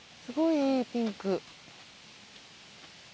すごいいいピンク。